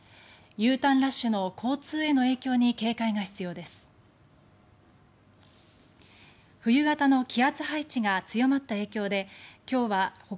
Ｕターンラッシュの交通への影響に警戒が必要です。